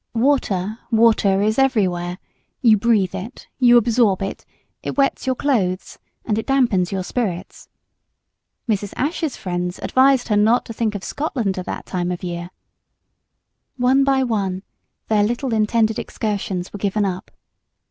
Water, water is everywhere; you breathe it, you absorb it; it wets your clothes and it dampens your spirits. Mrs. Ashe's friends advised her not to think of Scotland at that time of the year. One by one their little intended excursions were given up.